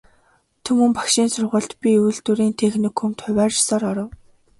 Түмэн багшийн сургуульд, би үйлдвэрийн техникумд хувиар ёсоор оров.